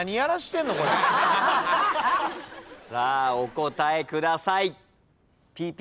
さあお答えください。